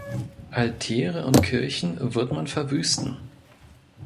Altäre und Kirchen wird man verwüsten.